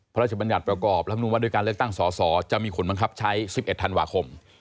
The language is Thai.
พระราชบัญญาติประกอบรับรู้ว่าโดยการเลือกตั้งสอจะมีผลบังคับใช้๑๑ธันวาคม